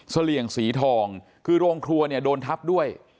เหลี่ยงสีทองคือโรงครัวเนี่ยโดนทับด้วย